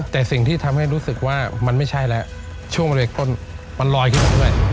แต่สิ่งที่ทำให้รู้สึกว่ามันไม่ใช่แล้วช่วงบริเวณต้นมันลอยขึ้นมาด้วย